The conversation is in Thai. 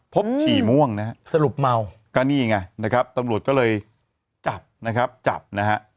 ฉี่ม่วงนะฮะสรุปเมาก็นี่ไงนะครับตำรวจก็เลยจับนะครับจับนะฮะ